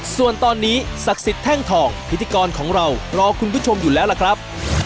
ส่วนตอนนี้ศักดิ์สิทธิ์แท่งทองพิธีกรของเรารอคุณผู้ชมอยู่แล้วล่ะครับ